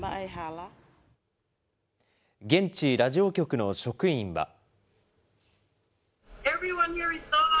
現地ラジオ局の職員は。